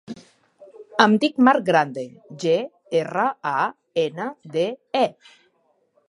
Em dic Marc Grande: ge, erra, a, ena, de, e.